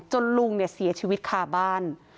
ลุงเนี่ยเสียชีวิตคาบ้าน